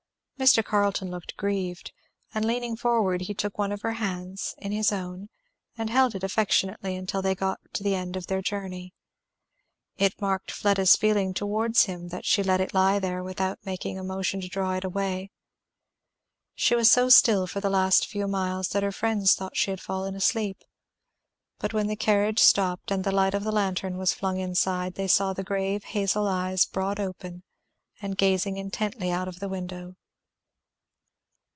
Mr. Carleton looked grieved, and leaning forward he took one of her hands in his own and held it affectionately till they got to the end of their journey. It marked Fleda's feeling towards him that she let it lie there without making a motion to draw it away. She was so still for the last few miles that her friends thought she had fallen asleep; but when the carriage stopped and the light of the lantern was flung inside, they saw the grave hazel eyes broad open and gazing intently out of the window.